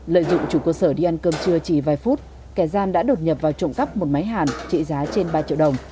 lợi dụng chủ cơ sở đi ăn cơm trưa chỉ vài phút kẻ gian đã đột nhập vào trộm cắp một máy hàn trị giá trên ba triệu đồng